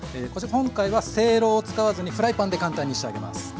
こちら今回はせいろを使わずにフライパンで簡単に仕上げます。